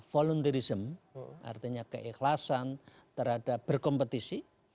volunteerism artinya keikhlasan terhadap berkompetisi